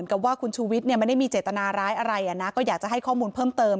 ก็อยากจะให้ข้อมูลเพิ่มเติม